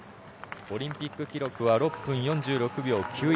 オリンピック記録は６分４６秒９１。